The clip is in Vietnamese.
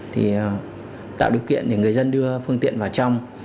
thì tạo điều kiện để người dân đưa phương tiện vào trong